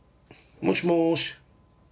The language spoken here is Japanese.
もしもし。